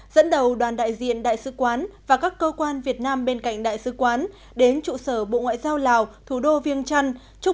dẫn đầu đoàn đại diện đại sứ quán và các cơ quan việt nam bên cạnh đại sứ quán đến trụ sở bộ ngoại giao lào thủ đô viêng trăn